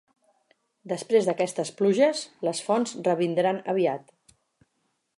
Després d'aquestes pluges, les fonts revindran aviat.